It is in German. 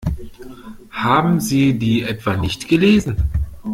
Haben Sie die etwa nicht gelesen?